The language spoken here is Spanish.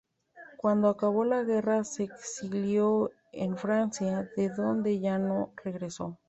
Cuando acabó la guerra se exilió en Francia, de donde ya no regresó.